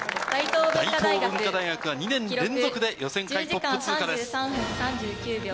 大東文化大学が２年連続で予選会トップ通過です。